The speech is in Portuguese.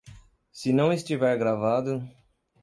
Se não estiver gravado